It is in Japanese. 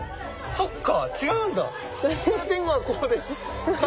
そっか。